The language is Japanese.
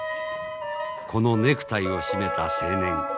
このネクタイを締めた青年。